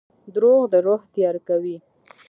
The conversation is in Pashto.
• دروغ د روح تیاره کوي.